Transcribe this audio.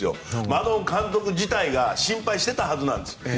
マドン監督自体が心配していたはずなんです。